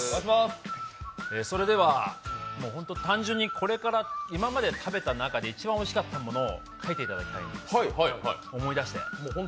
それでは、単純に今まで食べた中で一番おいしかったものを書いていただきたいんです、思い出して。